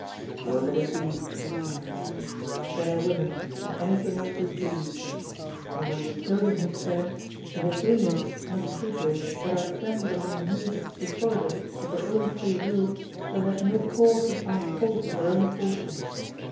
"So let it be," said Cyrus, "fair women, and anything else you please. And when you have chosen his share, the Hyrcanians must see to it that our friends among the Medes who followed us of their own free will shall have no cause to find fault with their own portion.